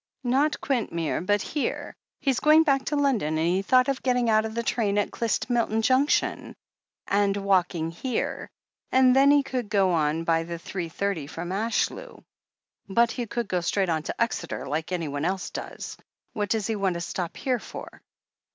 "Not Quintmere, but here. He's going back to London, and he thought of getting out of the train at Clyst Milton Junction and 373 374 THE HEEL OF ACHILLES walking here, and then he could go on by the three thirty from Ashlew." "But he could go straight on to Exeter, like anyone else does. What does he want to stop here for?"